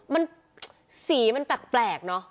มันสีมันแปลกเนอะ